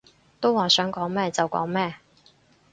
都話想講咩就講咩